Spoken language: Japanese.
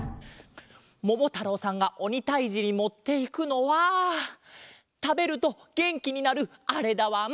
ももたろうさんがおにたいじにもっていくのはたべるとげんきになるあれだわん。